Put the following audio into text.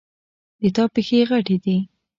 د تا پښې غټي دي